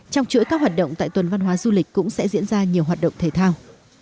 trong chuỗi các hoạt động tại tuần văn hóa du lịch cũng sẽ diễn ra nhiều hoạt động thể thao